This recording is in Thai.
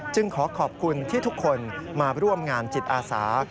ขอขอบคุณที่ทุกคนมาร่วมงานจิตอาสา